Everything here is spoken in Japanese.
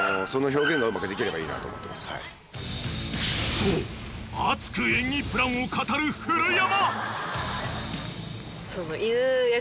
［と熱く演技プランを語る古山］